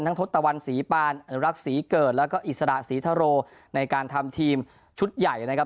ทศตวรรณศรีปานอนุรักษ์ศรีเกิดแล้วก็อิสระศรีทะโรในการทำทีมชุดใหญ่นะครับ